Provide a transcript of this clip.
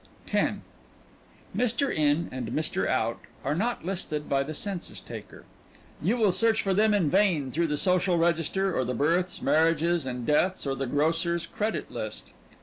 X Mr. In and Mr. Out are not listed by the census taker. You will search for them in vain through the social register or the births, marriages, and deaths, or the grocer's credit list.